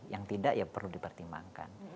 yang tidak ya perlu dipertimbangkan